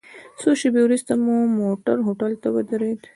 څو شېبې وروسته مو موټر هوټل ته ودرید.